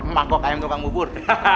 mak kok kayak yang gampang bubur